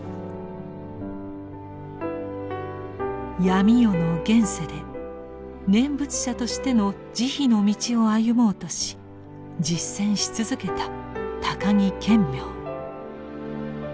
闇夜の現世で念仏者としての慈悲の道を歩もうとし実践し続けた高木顕明。